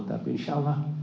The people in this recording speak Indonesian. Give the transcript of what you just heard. tapi insya allah